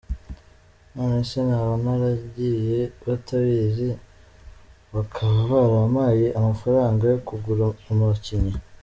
Nonese naba naragiye batabizi bakaba barampaye amafaranga yo kugura abakinnyi?.